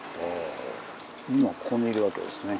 今ここにいるわけですね。